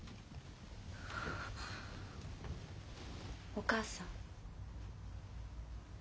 お母さん。